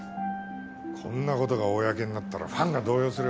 こんな事が公になったらファンが動揺する。